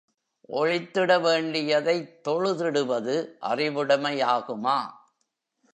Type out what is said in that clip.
ஒழித்திட வேண்டியதைத் தொழுதிடுவது அறிவுடையாகுமா?